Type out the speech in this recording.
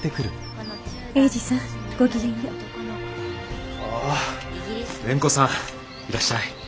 ああ蓮子さんいらっしゃい。